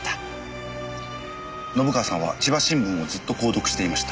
信川さんは千葉新聞をずっと購読していました。